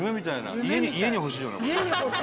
家に欲しいよなこれ。